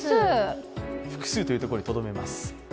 複数というところにとどめます。